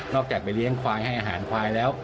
นอกจากไปเรียงควายอาหารควายแล้ว